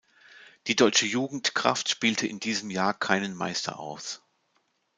Die Deutsche Jugendkraft spielte in diesem Jahr keinen Meister aus.